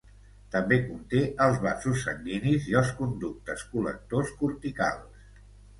També conté els vasos sanguinis i els conductes col·lectors corticals.